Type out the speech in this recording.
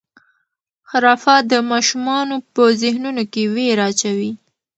خرافات د ماشومانو په ذهنونو کې وېره اچوي.